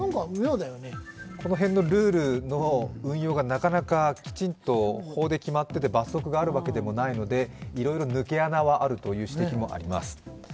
この辺のルールの運用がなかなかきちんと法で決まっていて罰則があるわけでもないのでいろいろ抜け穴はあるという指摘もあります。